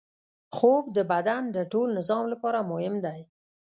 خوب د بدن د ټول نظام لپاره مهم دی